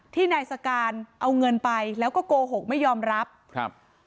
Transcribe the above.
ที่นายสการเอาเงินไปแล้วก็โกหกไม่ยอมรับครับ